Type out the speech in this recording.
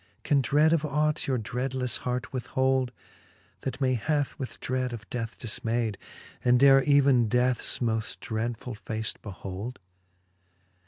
Can dread of ought your dreadlefTe hart withhold, That many hath with dread of death diiinayd, And dare even deathes moft dreadfull face behold